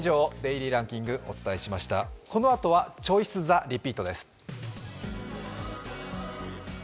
このあとはチョイス・ザ・リピートです。